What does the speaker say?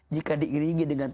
jika diiringi dengan